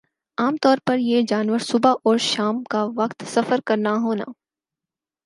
عام طور پر یِہ جانور صبح اور شام کا وقت سفر کرنا ہونا